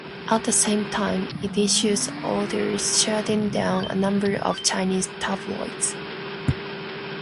At the same time, it issued orders shutting down a number of Chinese tabloids.